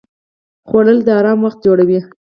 خوړل د آرام وخت جوړوي